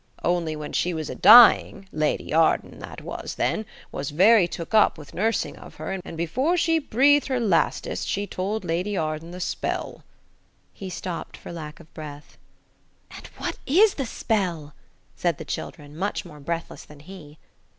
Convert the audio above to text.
Only when she was a dying, Lady Arden, that was then, was very took up with nursing of her, and before she breathed her lastest she told Lady Arden the spell." He stopped for lack of breath. "And what is the spell?" said the children, much more breathless than he.